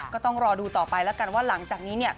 ก็ต้องรอดูต่อไปแล้วกันว่าหลังจากนี้เนี่ย